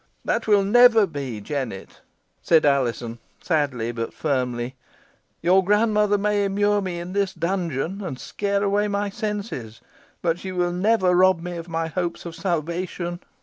"That will never be, Jennet," said Alizon, sadly, but firmly. "Your grandmother may immure me in this dungeon, and scare away my senses; but she will never rob me of my hopes of salvation."